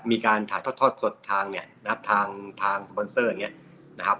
มีการถ่ายทอดสดทางเนี่ยนะครับทางสปอนเซอร์อย่างนี้นะครับ